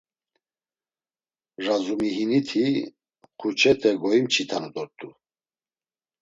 Razumihiniti xuçete goimç̌itanu dort̆u.